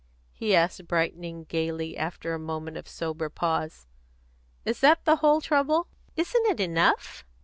He asked, brightening gaily after a moment of sober pause, "Is that the whole trouble?" "Isn't it enough?"